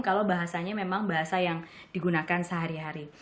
kalau bahasanya memang bahasa yang digunakan sehari hari